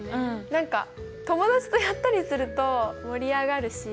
何か友達とやったりすると盛り上がるしよいかもね。